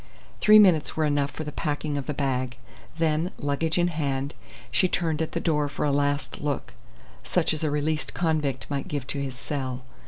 Three minutes were enough for the packing of the bag; then, luggage in hand, she turned at the door for a last look, such as a released convict might give to his cell.